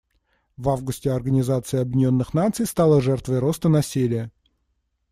В августе Организация Объединенных Наций стала жертвой роста насилия.